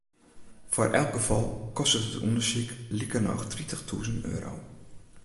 Foar elk gefal kostet it ûndersyk likernôch tritichtûzen euro.